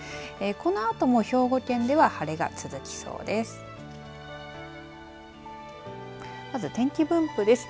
このあとも兵庫県では晴れが続きそうです。